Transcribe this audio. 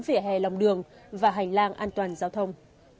vỉa hè lòng đường và hành lang an toàn giao thông